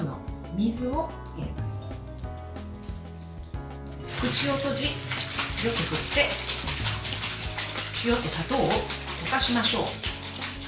口を閉じ、よく振って塩と砂糖を溶かしましょう。